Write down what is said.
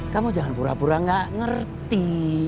kamu jangan pura pura gak ngerti